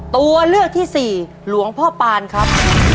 ตัวเลือกที่สี่หลวงพ่อปานครับ